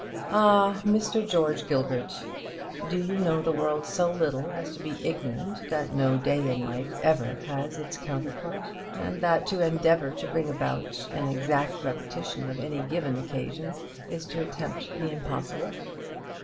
Ah, Mr. George Gilbert, do you know the world so little as to be ignorant that no day in life ever has its counterpart, and that to endeavour to bring about an exact repetition of any given occasion is to attempt the impossible?